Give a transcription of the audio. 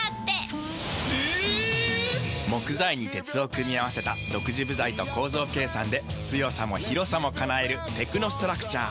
木材に鉄を組み合わせた独自部材と構造計算で強さも広さも叶えるテクノストラクチャー。